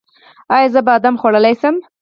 ایا زه بادام خوړلی شم؟